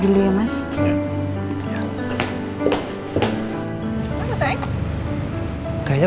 jadi sebentar ya pak